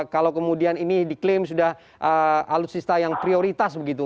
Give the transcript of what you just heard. kalau kemudian ini diklaim sudah alutsista yang prioritas begitu